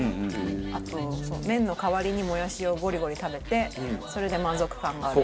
あと麺の代わりにもやしをボリボリ食べてそれで満足感がある。